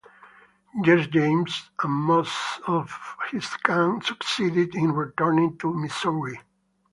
Jesse James and most of his gang succeeded in returning to Missouri.